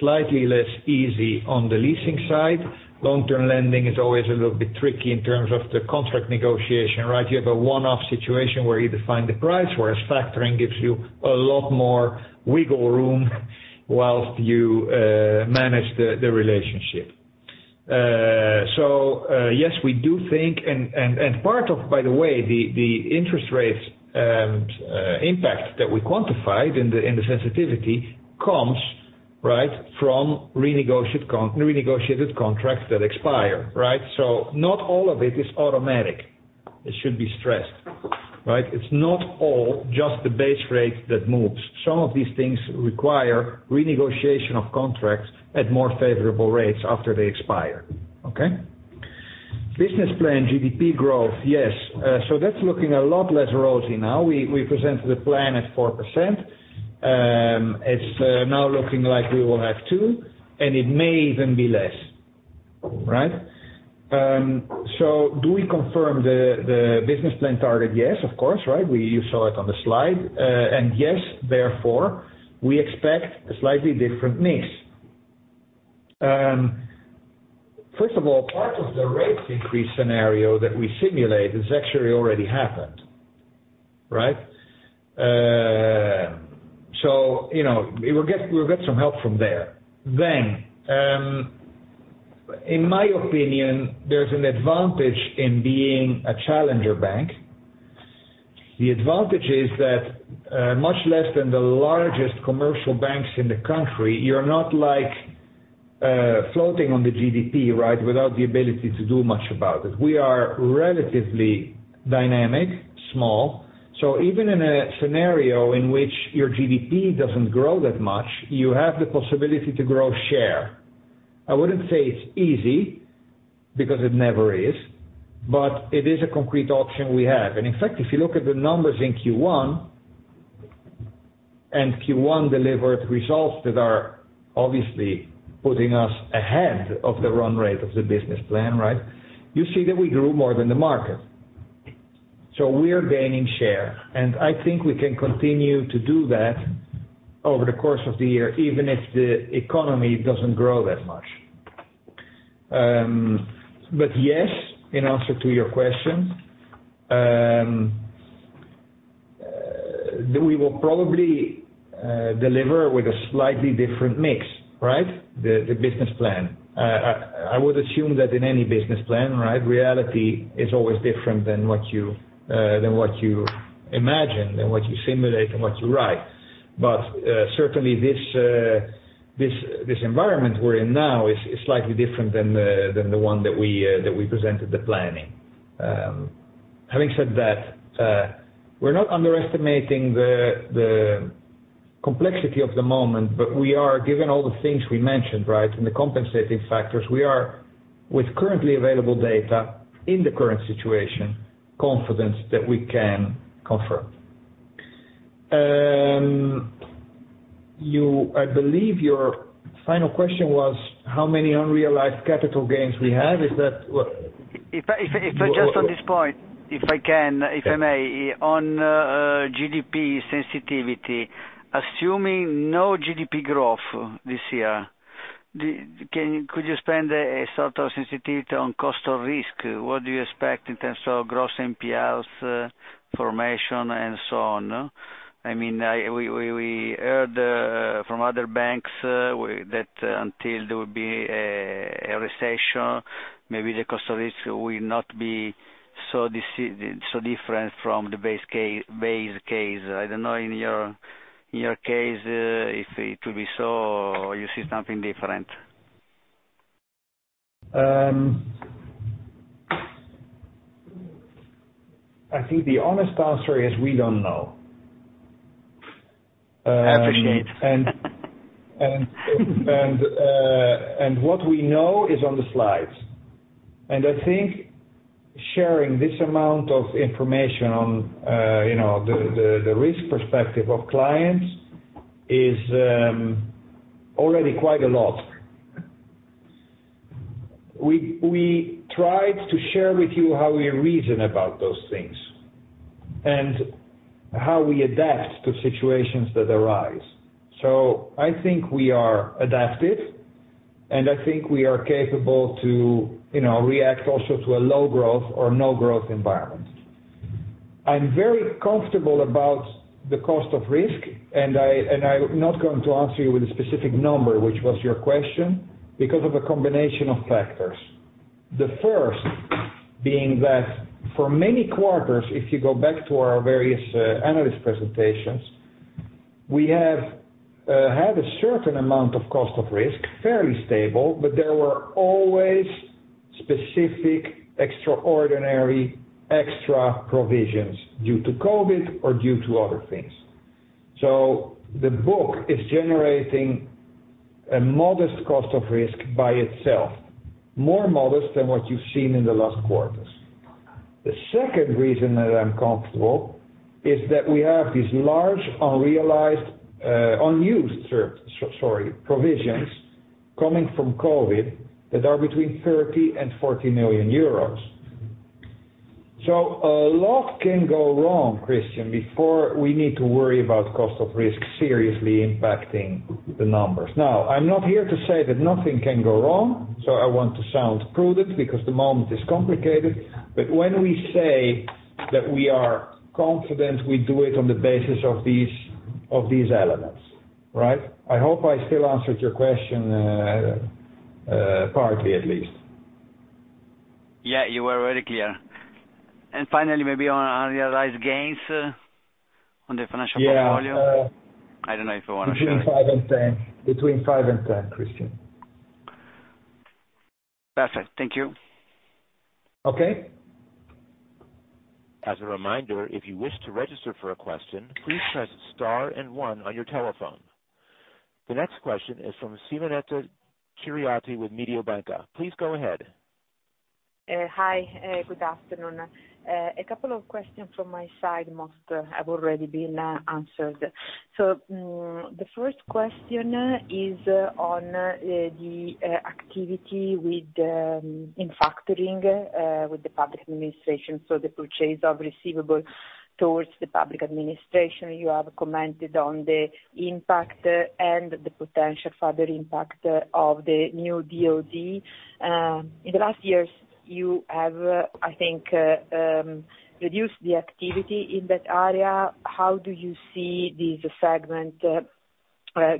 Slightly less easy on the leasing side. Long-term lending is always a little bit tricky in terms of the contract negotiation, right? You have a one-off situation where you define the price, whereas factoring gives you a lot more wiggle room while you manage the relationship. Yes, we do think, and part of, by the way, the interest rates impact that we quantified in the sensitivity comes, right, from renegotiated contracts that expire, right? Not all of it is automatic. It should be stressed, right? It's not all just the base rate that moves. Some of these things require renegotiation of contracts at more favorable rates after they expire. Okay? Business plan GDP growth, yes. That's looking a lot less rosy now. We presented the plan at 4%. It's now looking like we will have two, and it may even be less, right? Do we confirm the business plan target? Yes, of course, right. You saw it on the slide. Yes, therefore, we expect a slightly different mix. First of all, part of the rate increase scenario that we simulate has actually already happened, right? You know, we'll get some help from there. In my opinion, there's an advantage in being a challenger bank. The advantage is that, much less than the largest commercial banks in the country, you're not like, floating on the GDP, right, without the ability to do much about it. We are relatively dynamic, small. Even in a scenario in which your GDP doesn't grow that much, you have the possibility to grow share. I wouldn't say it's easy because it never is, but it is a concrete option we have. In fact, if you look at the numbers in Q1, and Q1 delivered results that are obviously putting us ahead of the run rate of the business plan, right? You see that we grew more than the market. We are gaining share, and I think we can continue to do that over the course of the year, even if the economy doesn't grow that much. Yes, in answer to your question, that we will probably deliver with a slightly different mix, right? The business plan. I would assume that in any business plan, right, reality is always different than what you imagine, what you simulate and what you write. Certainly this environment we're in now is slightly different than the one that we presented the planning. Having said that, we're not underestimating the complexity of the moment, but we are given all the things we mentioned, right, and the compensating factors we are with currently available data in the current situation, confidence that we can confirm. I believe your final question was how many unrealized capital gains we have. Is that what- If I just on this point, if I can, if I may. Yeah. On GDP sensitivity, assuming no GDP growth this year, could you do a sort of sensitivity on cost or risk? What do you expect in terms of gross NPLs formation and so on? I mean, we heard from other banks that until there will be a recession, maybe the cost of it will not be so different from the base case. I don't know in your case if it will be so or you see something different. I think the honest answer is we don't know. Appreciate. What we know is on the slides. I think sharing this amount of information on, you know, the risk perspective of clients is already quite a lot. We tried to share with you how we reason about those things and how we adapt to situations that arise. I think we are adaptive, and I think we are capable to, you know, react also to a low growth or no growth environment. I'm very comfortable about the cost of risk, and I'm not going to answer you with a specific number, which was your question, because of a combination of factors. The first being that for many quarters, if you go back to our various, analyst presentations, we have, had a certain amount of cost of risk, fairly stable, but there were always specific, extraordinary extra provisions due to COVID or due to other things. The book is generating a modest cost of risk by itself, more modest than what you've seen in the last quarters. The second reason that I'm comfortable is that we have these large unrealized, unused provisions coming from COVID that are between 30 million and 40 million euros. A lot can go wrong, Christian, before we need to worry about cost of risk seriously impacting the numbers. Now, I'm not here to say that nothing can go wrong, so I want to sound prudent because the moment is complicated. When we say that we are confident, we do it on the basis of these elements, right? I hope I still answered your question, partly at least. Yeah. You were very clear. Finally, maybe on unrealized gains on the financial portfolio. Yeah. I don't know if you want to share. Between five and 10. Between five and 10, Christian. Perfect. Thank you. Okay. As a reminder, if you wish to register for a question, please press star and one on your telephone. The next question is from Simonetta Chiriotti with Mediobanca. Please go ahead. Hi, good afternoon. A couple of questions from my side, most have already been answered. The first question is on the activity in factoring with the public administration. The purchase of receivables towards the public administration. You have commented on the impact and the potential further impact of the new DoD. In the last years, you have, I think, reduced the activity in that area. How do you see this segment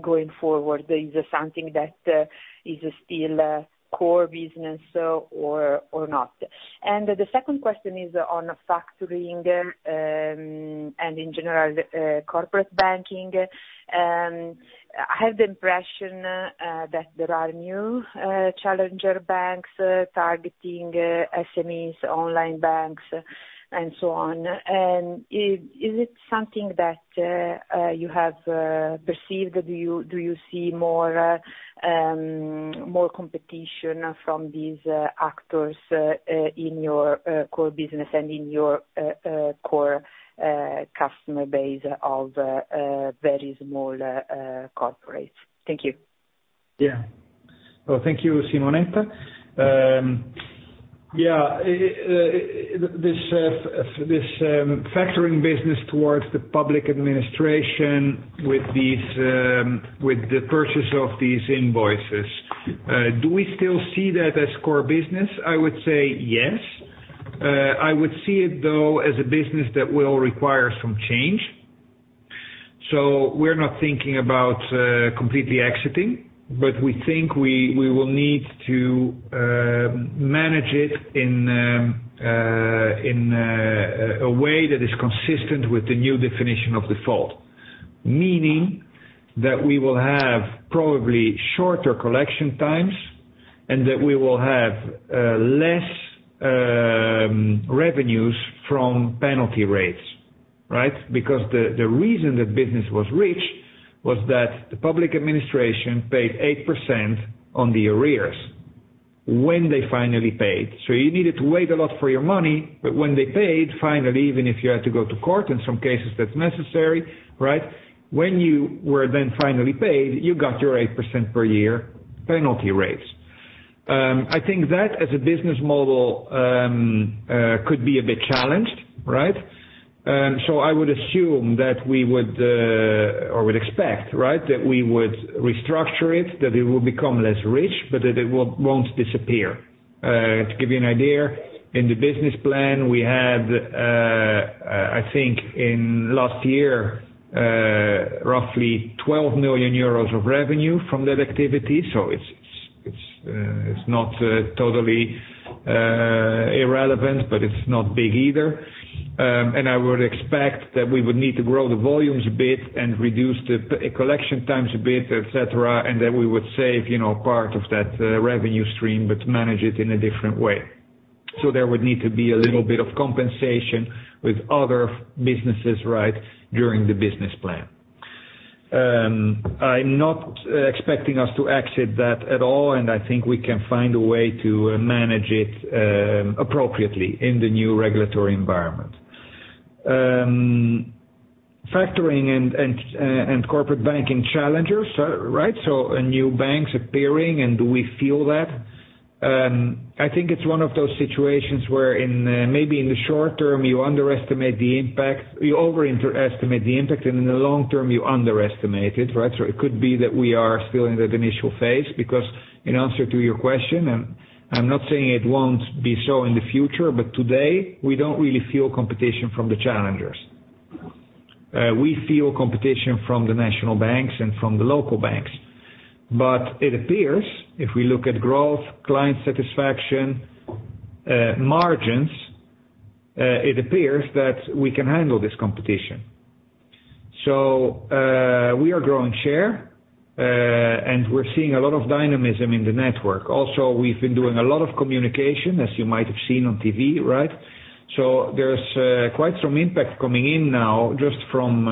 going forward? Is it something that is still core business or not? The second question is on factoring and in general corporate banking. I have the impression that there are new challenger banks targeting SMEs, online banks, and so on. Is it something that you have perceived? Do you see more competition from these actors in your core business and in your core customer base of very small corporates? Thank you. Yeah. Well, thank you, Simonetta. This factoring business towards the public administration with these, with the purchase of these invoices, do we still see that as core business? I would say yes. I would see it though, as a business that will require some change. We're not thinking about completely exiting, but we think we will need to manage it in a way that is consistent with the new definition of default. Meaning that we will have probably shorter collection times, and that we will have less revenues from penalty rates, right? Because the reason that business was rich was that the public administration paid 8% on the arrears when they finally paid. You needed to wait a lot for your money, but when they paid, finally, even if you had to go to court, in some cases that's necessary, right? When you were then finally paid, you got your 8% per year penalty rates. I think that as a business model could be a bit challenged, right? I would assume that we would or would expect, right, that we would restructure it, that it would become less rich, but that it won't disappear. To give you an idea, in the business plan, we had, I think in last year, roughly 12 million euros of revenue from that activity. It's not totally irrelevant, but it's not big either. I would expect that we would need to grow the volumes a bit and reduce the collection times a bit, et cetera. Then we would save, you know, part of that revenue stream, but manage it in a different way. There would need to be a little bit of compensation with other businesses, right, during the business plan. I'm not expecting us to exit that at all, and I think we can find a way to manage it appropriately in the new regulatory environment. Factoring and corporate banking challengers, right? New banks appearing and do we feel that? I think it's one of those situations where in maybe in the short term, you underestimate the impact. You overestimate the impact, and in the long term, you underestimate it, right? It could be that we are still in that initial phase, because in answer to your question, and I'm not saying it won't be so in the future, but today we don't really feel competition from the challengers. We feel competition from the national banks and from the local banks. It appears if we look at growth, client satisfaction, margins, it appears that we can handle this competition. We are growing share, and we're seeing a lot of dynamism in the network. Also, we've been doing a lot of communication, as you might have seen on TV, right? There's quite some impact coming in now just from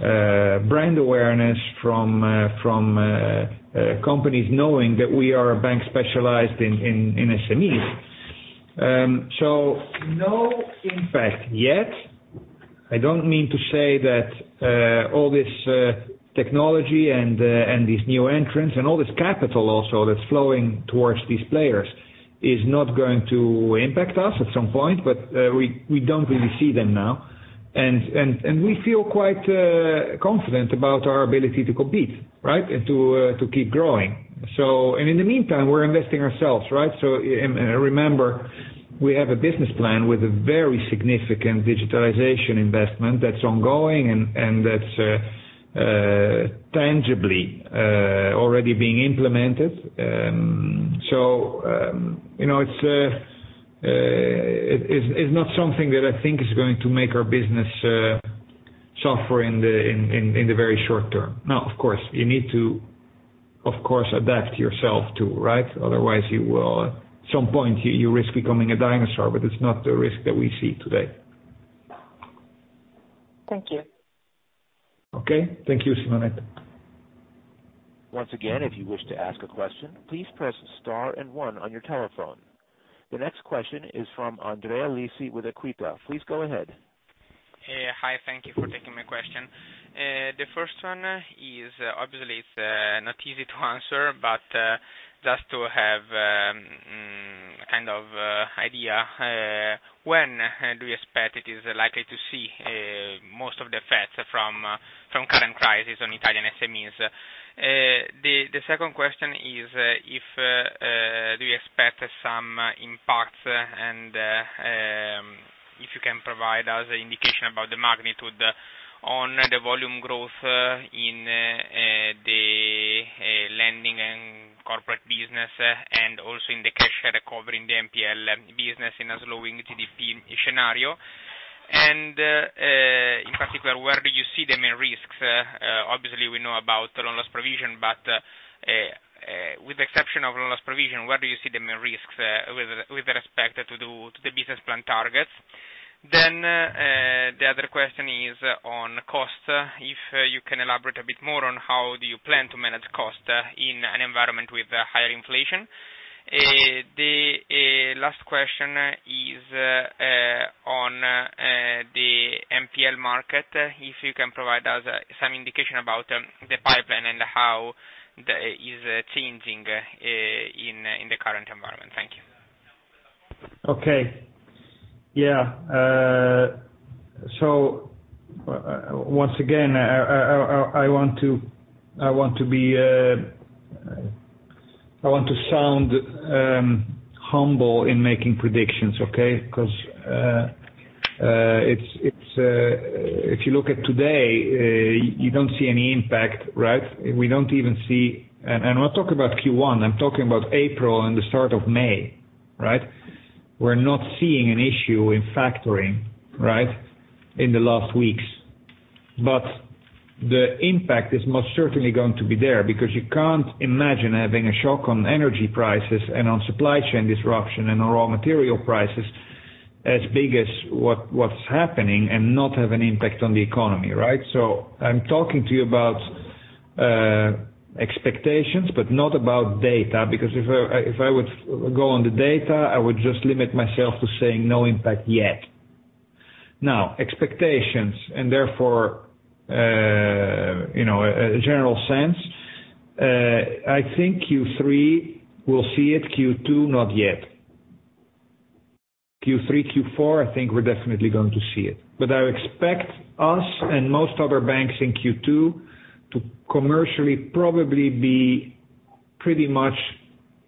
brand awareness from companies knowing that we are a bank specialized in SMEs. No impact yet. I don't mean to say that all this technology and these new entrants and all this capital also that's flowing towards these players is not going to impact us at some point, but we don't really see them now. We feel quite confident about our ability to compete, right? To keep growing. In the meantime, we're investing ourselves, right? Remember, we have a business plan with a very significant digitalization investment that's ongoing and that's tangibly already being implemented. You know, it's not something that I think is going to make our business suffer in the very short term. Of course, adapt yourself to, right? Otherwise, you will, at some point, risk becoming a dinosaur, but it's not the risk that we see today. Thank you. Okay. Thank you, Simonetta. Once again, if you wish to ask a question, please press star and one on your telephone. The next question is from Andrea Lisi with EQUITA. Please go ahead. Hi. Thank you for taking my question. The first one is obviously it's not easy to answer, but just to have kind of idea when do you expect it is likely to see most of the effects from current crisis on Italian SMEs? The second question is do you expect some impacts, and if you can provide us an indication about the magnitude on the volume growth in the lending and corporate business, and also in the cash recovery in the NPL business in a slowing GDP scenario. In particular, where do you see the main risks? Obviously, we know about loan loss provision, but with the exception of loan loss provision, where do you see the main risks with respect to the business plan targets? The other question is on cost. If you can elaborate a bit more on how do you plan to manage cost in an environment with higher inflation. The last question is on the NPL market. If you can provide us some indication about the pipeline and how this is changing in the current environment. Thank you. Okay. Yeah. So once again, I want to be humble in making predictions, okay? 'Cause it's. If you look at today, you don't see any impact, right? We don't even see. I'm not talking about Q1, I'm talking about April and the start of May, right? We're not seeing an issue in factoring, right, in the last weeks. The impact is most certainly going to be there because you can't imagine having a shock on energy prices and on supply chain disruption and on raw material prices as big as what's happening and not have an impact on the economy, right? I'm talking to you about expectations, but not about data. Because if I would go on the data, I would just limit myself to saying no impact yet. Now, expectations, and therefore, you know, a general sense, I think Q3, we'll see it. Q2, not yet. Q3, Q4, I think we're definitely going to see it. I expect us and most other banks in Q2 to commercially probably be pretty much,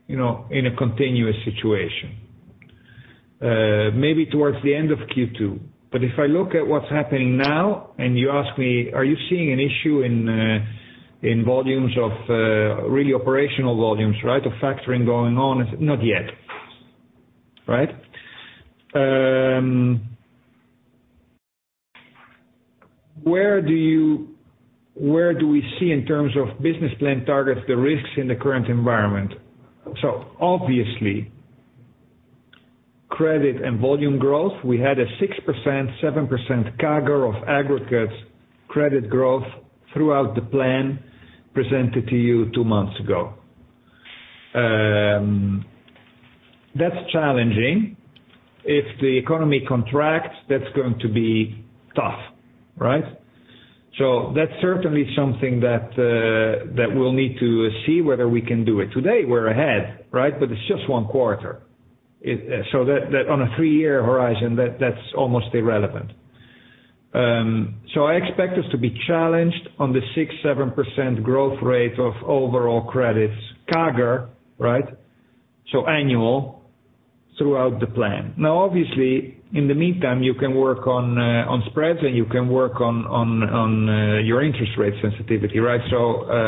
you know, in a continuous situation. Maybe towards the end of Q2. If I look at what's happening now and you ask me, are you seeing an issue in volumes of, really operational volumes, right, of factoring going on? Not yet. Right? Where do we see in terms of business plan targets, the risks in the current environment? Obviously, credit and volume growth, we had a 6%-7% CAGR of aggregate credit growth throughout the plan presented to you two months ago. That's challenging. If the economy contracts, that's going to be tough, right? That's certainly something that we'll need to see whether we can do it. Today, we're ahead, right? It's just one quarter. That on a three-year horizon, that's almost irrelevant. I expect us to be challenged on the 6%-7% growth rate of overall credits CAGR, right? Annual throughout the plan. Now, obviously, in the meantime, you can work on spreads and you can work on your interest rate sensitivity, right?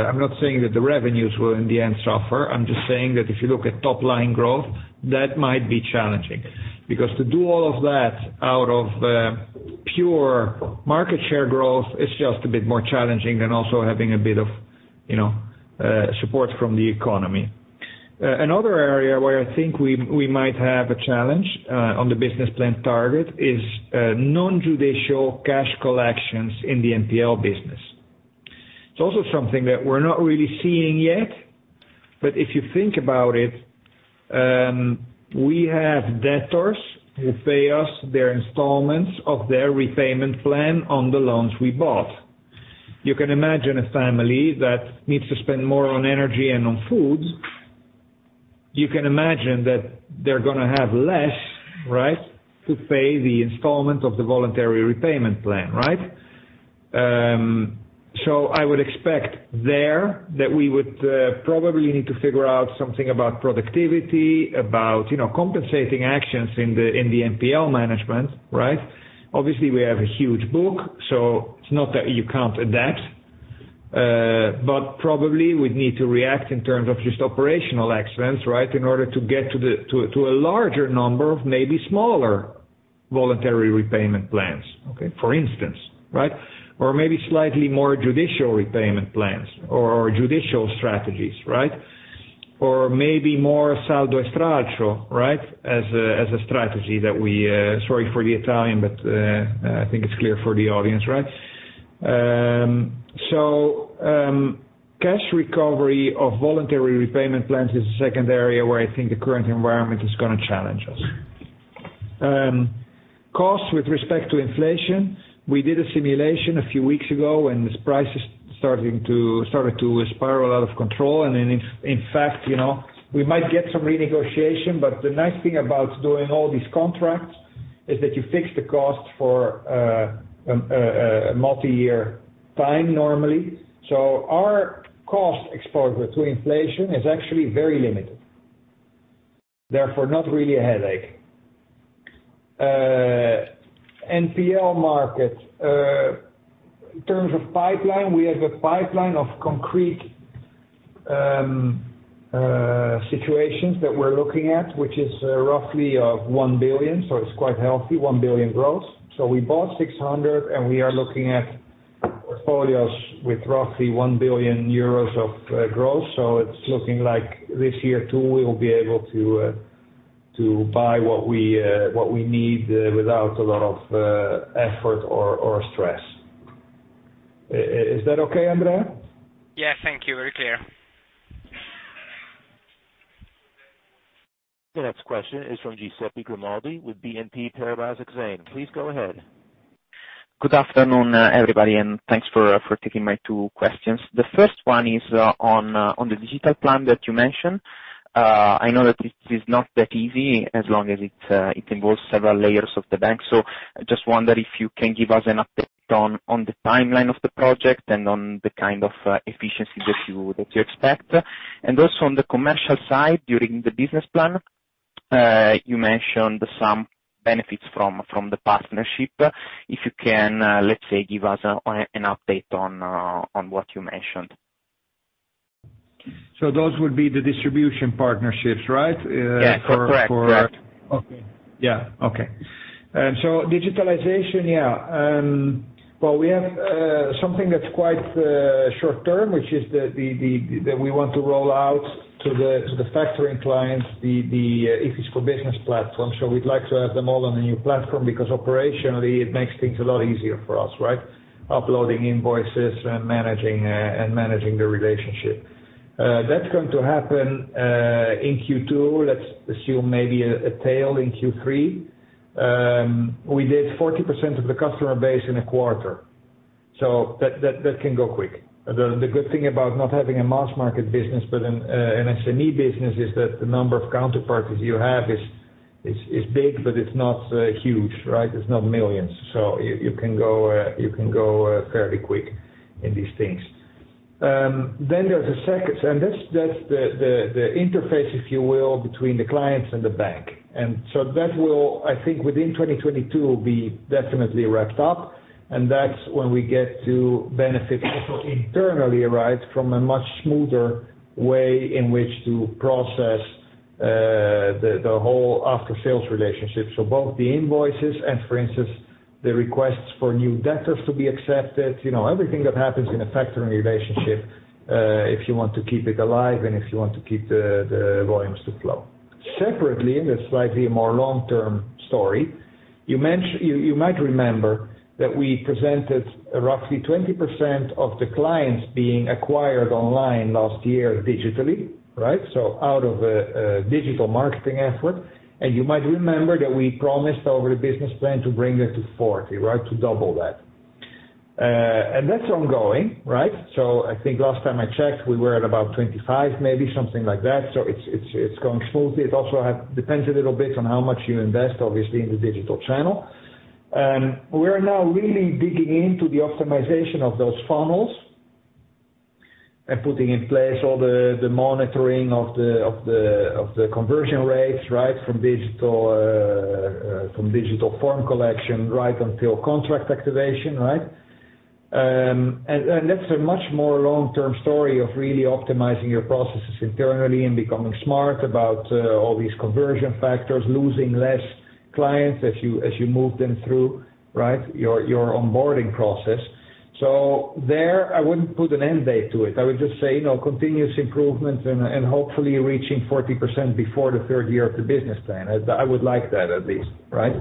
I'm not saying that the revenues will in the end suffer. I'm just saying that if you look at top line growth, that might be challenging, because to do all of that out of pure market share growth is just a bit more challenging than also having a bit of, you know, support from the economy. Another area where I think we might have a challenge on the business plan target is non-judicial cash collections in the NPL business. It's also something that we're not really seeing yet. If you think about it, we have debtors who pay us their installments of their repayment plan on the loans we bought. You can imagine a family that needs to spend more on energy and on food. You can imagine that they're gonna have less, right, to pay the installment of the voluntary repayment plan, right? I would expect there that we would probably need to figure out something about productivity, about, you know, compensating actions in the NPL management, right? Obviously, we have a huge book, so it's not that you can't adapt, but probably we'd need to react in terms of just operational excellence, right, in order to get to a larger number of maybe smaller voluntary repayment plans, okay? For instance, right? Or maybe slightly more judicial repayment plans or judicial strategies, right? Or maybe more saldo e stralcio, right, as a strategy that we, sorry for the Italian, but I think it's clear for the audience, right? Cash recovery of voluntary repayment plans is the second area where I think the current environment is gonna challenge us. Costs with respect to inflation. We did a simulation a few weeks ago, and these prices started to spiral out of control. In fact, you know, we might get some renegotiation, but the nice thing about doing all these contracts is that you fix the cost for a multi-year time, normally. Our cost exposure to inflation is actually very limited, therefore not really a headache. NPL market. In terms of pipeline, we have a pipeline of concrete situations that we're looking at, which is roughly 1 billion. It's quite healthy, 1 billion gross. We bought 600 million, and we are looking at portfolios with roughly 1 billion euros of gross. It's looking like this year, too, we will be able to buy what we need without a lot of effort or stress. Is that okay, Andrea? Yeah. Thank you. Very clear. The next question is from Giuseppe Grimaldi with BNP Paribas Exane. Please go ahead. Good afternoon, everybody, and thanks for taking my two questions. The first one is on the digital plan that you mentioned. I know that it is not that easy, as long as it involves several layers of the bank. I just wonder if you can give us an update on the timeline of the project and on the kind of efficiency that you expect. Also on the commercial side, during the business plan, you mentioned some benefits from the partnership. If you can, let's say, give us an update on what you mentioned. Those would be the distribution partnerships, right? Yeah. Correct. Digitalization. Well, we have something that's quite short-term, which is that we want to roll out to the factoring clients, the Ifis for Business platform. We'd like to have them all on the new platform because operationally it makes things a lot easier for us, right? Uploading invoices and managing the relationship. That's going to happen in Q2. Let's assume maybe a tail in Q3. We did 40% of the customer base in a quarter, so that can go quick. The good thing about not having a mass market business but an SME business is that the number of counterparties you have is big, but it's not huge, right? It's not millions. You can go fairly quick in these things. Then there's a second, and that's the interface, if you will, between the clients and the bank. That will, I think within 2022, will be definitely wrapped up, and that's when we get to benefit also internally, right, from a much smoother way in which to process the whole after-sales relationship. Both the invoices and, for instance, the requests for new debtors to be accepted. You know, everything that happens in a factoring relationship, if you want to keep it alive and if you want to keep the volumes to flow. Separately, in a slightly more long-term story, you might remember that we presented roughly 20% of the clients being acquired online last year digitally, right? Out of a digital marketing effort. You might remember that we promised over the business plan to bring that to 40%, right? To double that. That's ongoing, right? I think last time I checked, we were at about 25%, maybe something like that. It's going smoothly. It depends a little bit on how much you invest, obviously, in the digital channel. We are now really digging into the optimization of those funnels and putting in place all the monitoring of the conversion rates, right? From digital form collection right until contract activation, right? That's a much more long-term story of really optimizing your processes internally and becoming smart about all these conversion factors, losing less clients as you move them through, right, your onboarding process. There I wouldn't put an end date to it. I would just say, you know, continuous improvement and hopefully reaching 40% before the third year of the business plan. I would like that at least, right?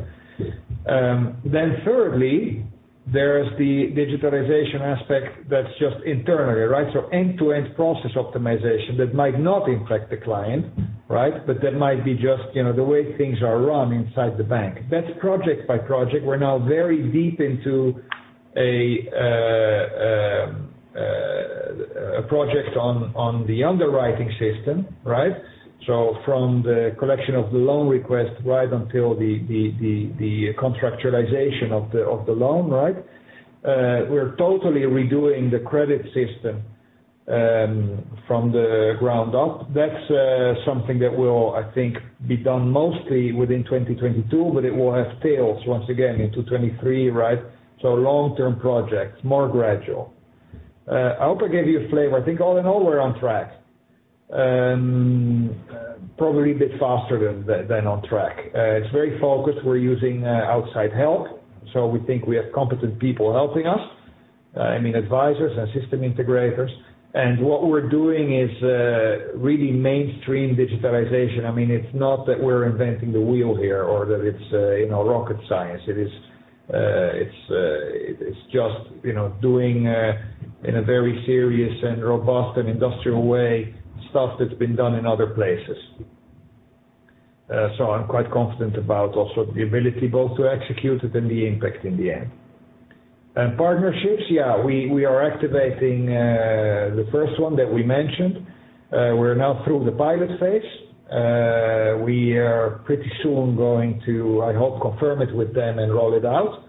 Thirdly, there's the digitalization aspect that's just internally, right? End-to-end process optimization that might not impact the client, right? That might be just, you know, the way things are run inside the bank. That's project by project. We're now very deep into a project on the underwriting system, right? From the collection of the loan request right until the contractualization of the loan, right? We're totally redoing the credit system from the ground up. That's something that will, I think, be done mostly within 2022, but it will have tails once again into 2023, right? Long-term projects, more gradual. I hope I gave you a flavor. I think all in all, we're on track. Probably a bit faster than on track. It's very focused. We're using outside help, so we think we have competent people helping us, I mean, advisors and system integrators. What we're doing is really mainstream digitalization. I mean, it's not that we're inventing the wheel here or that it's, you know, rocket science. It's just, you know, doing in a very serious and robust and industrial way, stuff that's been done in other places. I'm quite confident about also the ability both to execute it and the impact in the end. Partnerships, yeah, we are activating the first one that we mentioned. We're now through the pilot phase. We are pretty soon going to, I hope, confirm it with them and roll it out.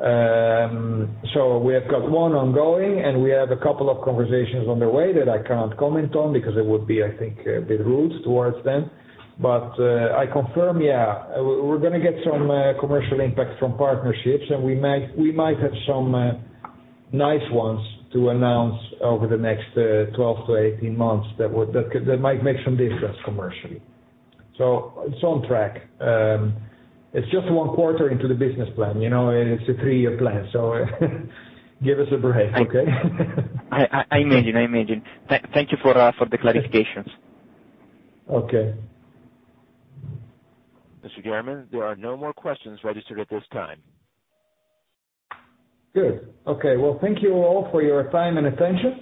We have got one ongoing, and we have a couple of conversations on the way that I cannot comment on because it would be, I think, a bit rude towards them. I confirm, yeah, we're gonna get some commercial impact from partnerships, and we might have some nice ones to announce over the next 12-18 months that might make some difference commercially. It's on track. It's just one quarter into the business plan, you know. It's a three-year plan. Give us a break, okay? I imagine. Thank you for the clarifications. Okay. Mr. Geertman, there are no more questions registered at this time. Good. Okay. Well, thank you all for your time and attention.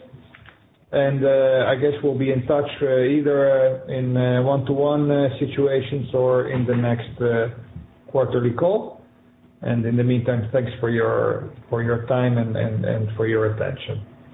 I guess we'll be in touch, either in one-to-one situations or in the next quarterly call. In the meantime, thanks for your time and for your attention.